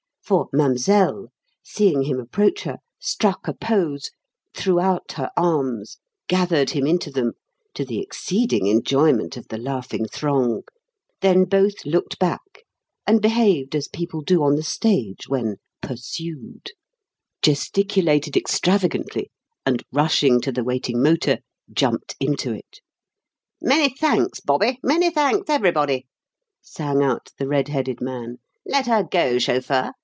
For "mademoiselle," seeing him approach her, struck a pose, threw out her arms, gathered him into them to the exceeding enjoyment of the laughing throng then both looked back and behaved as people do on the stage when "pursued," gesticulated extravagantly, and, rushing to the waiting motor, jumped into it. "Many thanks, Bobby; many thanks, everybody!" sang out the red headed man. "Let her go, chauffeur.